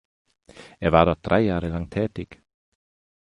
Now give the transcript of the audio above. Er war dort drei Jahre lang tätig.